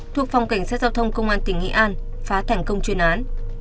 thuộc phòng cảnh sát giao thông công an tỉnh nghĩa an phá thảnh công chuyên án